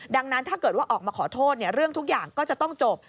ดังนั้นถ้าเกิดว่าออกมาขอโทษเรื่องทุกอย่างก็จะต้องจบ